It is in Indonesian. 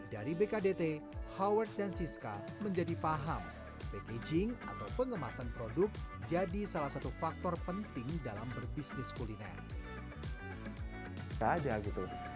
dari bkdt howard dan siska menjadi paham packaging atau pengemasan produk jadi salah satu faktor penting dalam berbisnis kuliner